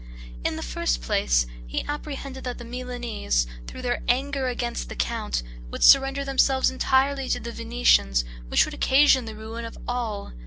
In the first place, he apprehended that the Milanese, through their anger against the count, would surrender themselves entirely to the Venetians, which would occasion the ruin of all.